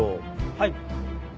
はい。